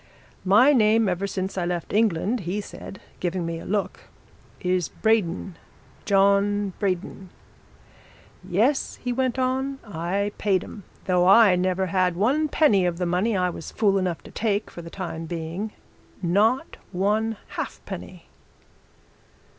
'My name ever since I left England,' he said, giving me a look, 'is Braden John Braden.' 'Yes,' he went on, 'I paid 'em though I never had one penny of the money I was fool enough to take for the time being not one halfpenny!'